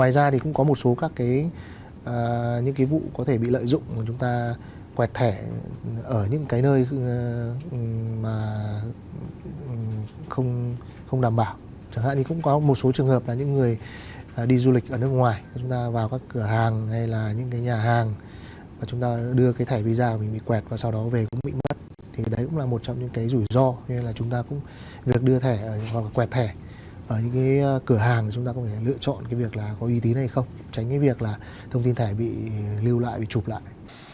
đưa thẻ hoặc quẹt thẻ ở những cái cửa hàng chúng ta có thể lựa chọn cái việc là có uy tín hay không tránh cái việc là thông tin thẻ bị lưu lại bị chụp lại